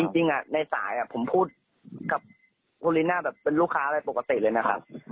ในสายผมพูดกับโอลิน่าแบบเป็นลูกค้าอะไรปกติเลยนะครับ